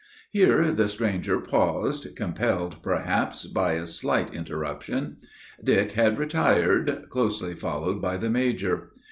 Here the stranger paused, compelled, perhaps, by a slight interruption. Dick had retired, closely followed by the major.